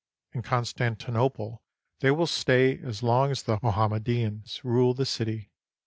In Constantinople they will stay as long as the Mohammedans rule the city.